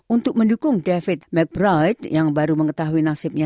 untuk mendukung david mckbrid yang baru mengetahui nasibnya